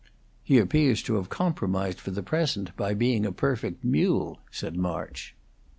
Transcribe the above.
"He appears to have compromised for the present by being a perfect mule," said March.